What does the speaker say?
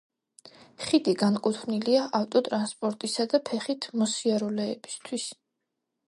ხიდი განკუთვნილია ავტოტრანსპორტისა და ფეხით მოსიარულეებისათვის.